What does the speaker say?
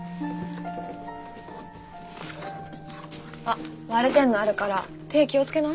あっ割れてんのあるから手気を付けな。